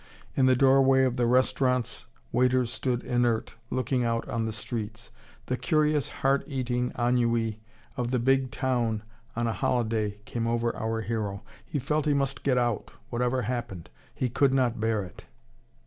In the doorway of the restaurants waiters stood inert, looking out on the streets. The curious heart eating ennui of the big town on a holiday came over our hero. He felt he must get out, whatever happened. He could not bear it.